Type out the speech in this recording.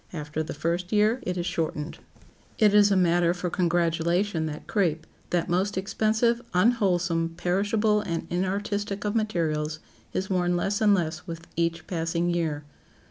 After the first year it is shortened. It is a matter for congratulation that crape, that most expensive, unwholesome, perishable and inartistic of materials, is worn less and less with each passing year.